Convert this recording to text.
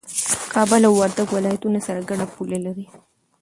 کابل او وردګ ولايتونه سره ګډه پوله لري